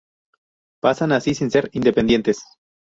Pasan así a ser independientes.